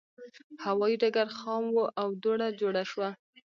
هوایي ډګر خام و او دوړه جوړه شوه.